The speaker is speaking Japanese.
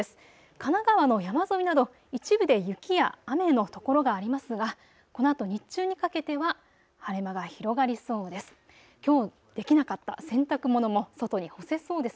神奈川の山沿いなど一部で雪や雨の所がありますがこのあと日中にかけては晴れ間が広がりそうです。